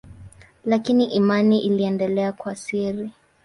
Lakini imani iliendelea kwa siri.